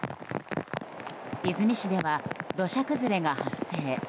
出水市では土砂崩れが発生。